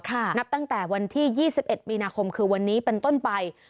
นับตั้งแต่วันที่๒๑มีนาคมคือวันนี้เป็นต้นไป